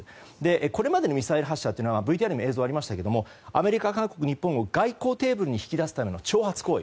これまでのミサイル発射はＶＴＲの映像にもありましたがアメリカや日本を外交テーブルに引き出すための挑発行為。